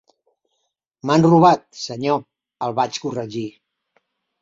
"M'han robat, senyor", el vaig corregir.